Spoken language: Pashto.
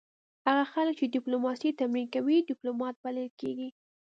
هغه خلک چې ډیپلوماسي تمرین کوي ډیپلومات بلل کیږي